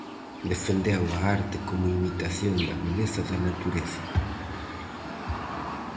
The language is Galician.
Defendeu a arte como imitación da beleza da natureza.